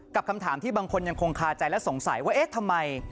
คำถามที่บางคนยังคงคาใจและสงสัยว่าเอ๊ะทำไม